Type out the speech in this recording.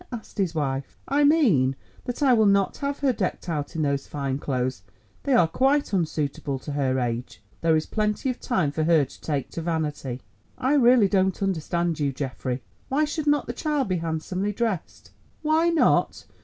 asked his wife. "I mean that I will not have her decked out in those fine clothes. They are quite unsuitable to her age. There is plenty of time for her to take to vanity." "I really don't understand you, Geoffrey. Why should not the child be handsomely dressed?" "Why not!